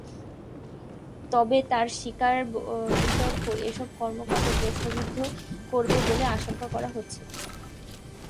তবে তাঁর শিকারবিতর্ক এসব কর্মকাণ্ডকে প্রশ্নবিদ্ধ করবে বলে আশঙ্কা করা হচ্ছে।